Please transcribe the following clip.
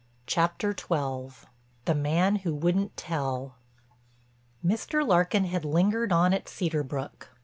CHAPTER XII—THE MAN WHO WOULDN'T TELL Mr. Larkin had lingered on at Cedar Brook.